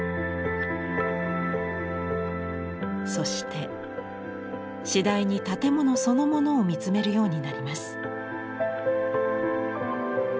そして次第に建物そのものを見つめるようになります。